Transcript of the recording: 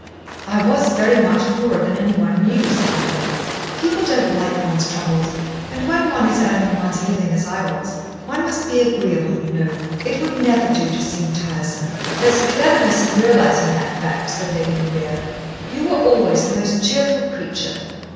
"I was very much poorer than anyone knew," said Emily. "People don't like one's troubles. And when one is earning one's living as I was, one must be agreeable, you know. It would never do to seem tiresome." "There's cleverness in realising that fact," said Lady Maria. "You were always the most cheerful creature.